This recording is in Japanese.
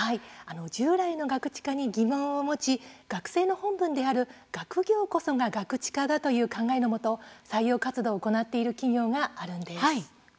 従来のガクチカに疑問を持ち学生の本分である学業こそがガクチカだという考えのもと採用活動を行っている企業があるんです。